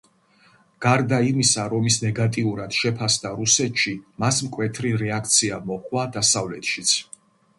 გარდა იმისა, რომ ის ნეგატიურად შეფასდა რუსეთში, მას მკვეთრი რეაქცია მოჰყვა დასავლეთშიც.